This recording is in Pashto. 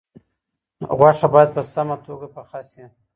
غوښه باید په سمه توګه پاخه شي.